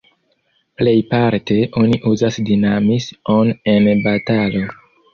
Plejparte, oni uzas "dinamis"-on en batalo.